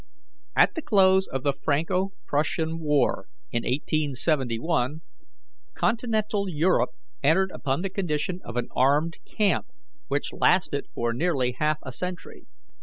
"At the close of the Franco Prussian War, in 1871, Continental Europe entered upon the condition of an armed camp, which lasted for nearly half a century.